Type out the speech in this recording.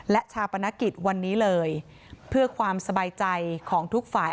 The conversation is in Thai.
และชาปนกิจวันนี้เลยเพื่อความสบายใจของทุกฝ่าย